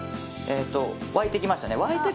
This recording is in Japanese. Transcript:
沸いてきましたね。